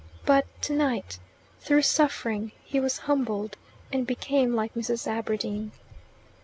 But tonight, through suffering, he was humbled, and became like Mrs. Aberdeen.